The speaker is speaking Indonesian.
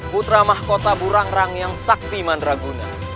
putra mahkota burangrang yang sakti madraguna